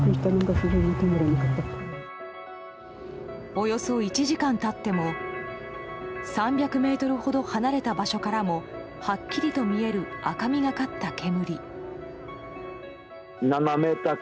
およそ１時間経っても３００ｍほど離れた場所からもはっきり見える、赤みがかった煙。